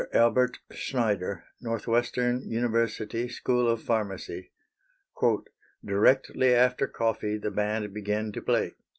ALBERT SCHNEIDER, Northwestern University School of Pharmacy. "Directly after coffee the band began to play."